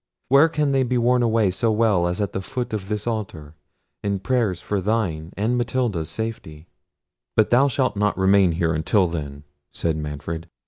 Where can they be worn away so well as at the foot of this altar, in prayers for thine and Matilda's safety?" "But thou shalt not remain here until then," said Manfred.